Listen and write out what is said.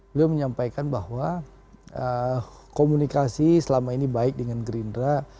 beliau menyampaikan bahwa komunikasi selama ini baik dengan gerindra